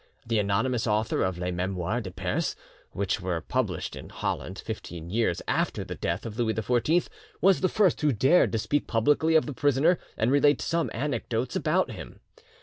The anonymous author of 'Les Memoires de Perse', which were published in Holland fifteen years after the death of Louis XIV, was the first who dared to speak publicly of the prisoner and relate some anecdotes about him.